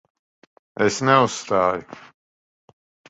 Es neuzstāju.